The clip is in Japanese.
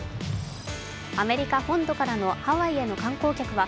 アメリカ本土からのハワイへの観光客は